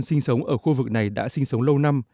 sinh sống ở khu vực này đã sinh sống lâu năm